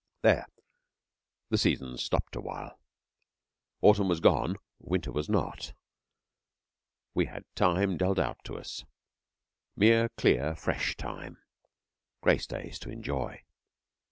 There the seasons stopped awhile. Autumn was gone, Winter was not. We had Time dealt out to us mere, clear, fresh Time grace days to enjoy.